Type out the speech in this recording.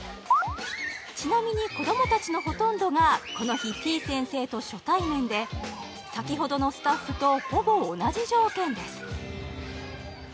ちなみに子どもたちのほとんどがこの日てぃ先生と初対面で先ほどのスタッフとほぼ同じ条件です